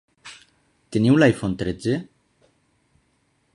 Teniu l'iPhone tretze?